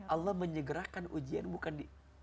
allah menyegerakan ujian bukan di